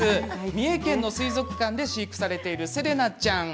三重県の水族館で飼育されているセレナちゃん。